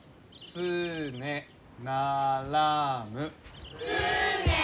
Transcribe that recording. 「つねならむ」。